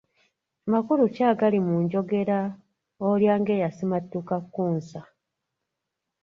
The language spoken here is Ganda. Makulu ki agali mu njogera, ‘Olya ng'eyasimattuka Kkunsa'